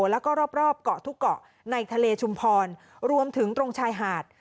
แล้วก็รอบเกาะทุกเกาะในทะเลชุมพรรวมถึงตรงชายหาด